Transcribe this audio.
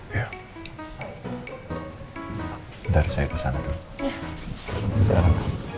bentar saya kesana dulu